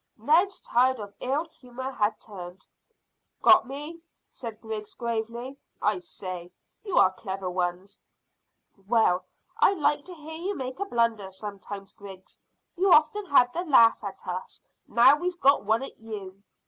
Ned's tide of ill humour had turned. "Got me?" said Griggs gravely. "I say, you are clever ones!" "Well, I like to hear you make a blunder sometimes, Griggs. You often have the laugh at us; now we've got one at you."